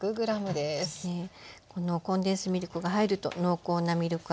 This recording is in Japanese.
このコンデンスミルクが入ると濃厚なミルク味になりますね。